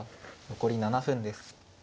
残り７分です。